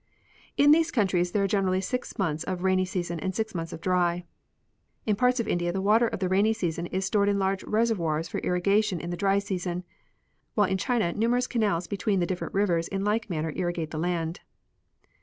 In these countries there are generally six months of rainy season and six months of dry. In parts of India the water of the rainy season is stored in large reservoirs for irrigation in the dry season, while in China numerous canals between the dif ferent rivers in like manner irrigate the land.